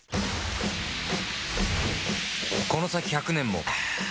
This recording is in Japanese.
この先１００年もアーーーッ‼